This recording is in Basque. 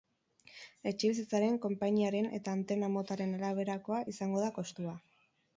Etxebizitzaren, konpainiaren eta antena motaren araberakoa izango da kostua.